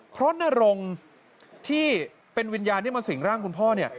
เพราะนรงที่เป็นวิญญาณที่มาสิ่งร่างคุณพ่อเนี่ย